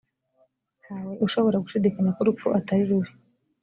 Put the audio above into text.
ntawe ushoboraga gushidikanya ko urupfu atari rubi